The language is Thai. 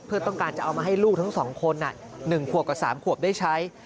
เพื่อต้องการจะเอามาให้ลูกทั้ง๒คน๑ขวบกับ๓ขวบได้ใช้